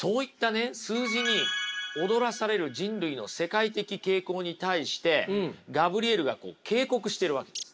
数字に踊らされる人類の世界的傾向に対してガブリエルが警告してるわけです。